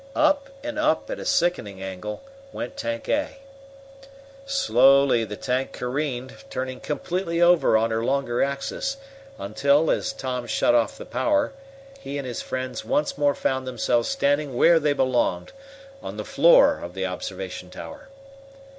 Up and up, at a sickening angle, went Tank A. Slowly the tank careened, turning completely over on her longer axis, until, as Tom shut off the power, he and his friends once more found themselves standing where they belonged on the floor of the observation tower.